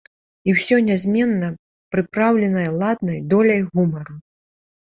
І ўсё нязменна прыпраўленае ладнай доляй гумару.